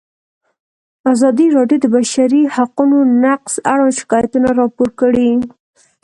ازادي راډیو د د بشري حقونو نقض اړوند شکایتونه راپور کړي.